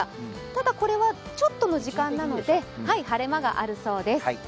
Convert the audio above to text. ただ、これはちょっとの時間なので晴れ間があるそうです。